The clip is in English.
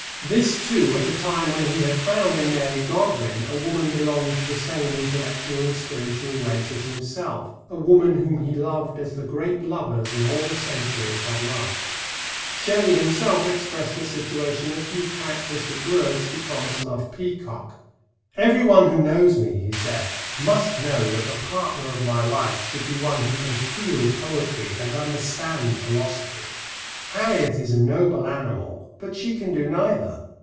This, too, at a time when he had found in Mary Godwin a woman belonging to the same intellectual and spiritual race as himself a woman whom he loved as the great lovers in all the centuries have loved. Shelley himself expressed the situation in a few characteristic words to Thomas Love Peacock: "Everyone who knows me," he said, "must know that the partner of my life should be one who can feel poetry and understand philosophy. Harriet is a noble animal, but she can do neither."